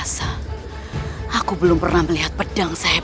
yang memafati k penyusup